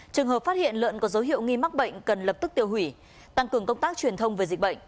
trường hợp phát hiện lợn có dấu hiệu nghi mắc bệnh cần lập tức tiêu hủy tăng cường công tác truyền thông về dịch bệnh